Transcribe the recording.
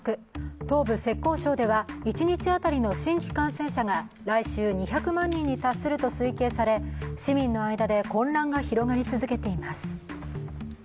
東部・浙江省では一日当たりの新規感染者が来週２００万人に達すると推計され市民の間で混乱が広がり続けています。